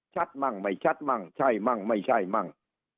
มั่งไม่ชัดมั่งใช่มั่งไม่ใช่มั่ง